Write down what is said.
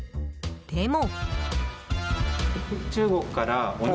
でも。